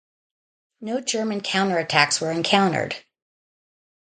No German counter-attacks were encountered.